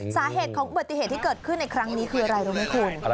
สาเหตุของอุบัติเหตุที่เกิดขึ้นในครั้งนี้คืออะไรรู้ไหมคุณ